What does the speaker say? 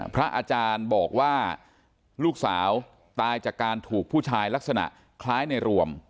พระอาจารย์บอกว่าลูกสาวตายจากการถูกผู้ชายลักษณะคล้ายในรวม